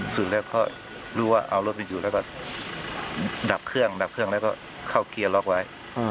ส่วนแรกก็รู้ว่าเอารถไปอยู่แล้วก็ดับเครื่องดับเครื่องแล้วก็เข้าเกียร์ล็อกไว้